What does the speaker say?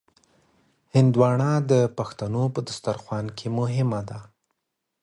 هندوانه د پښتنو په دسترخوان کې مهمه ده.